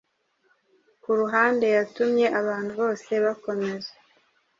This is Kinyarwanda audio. ku ruhandeyatumye abantu bose bakomeza